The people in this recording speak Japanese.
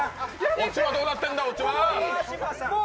オチはどうなってんだ、オチは。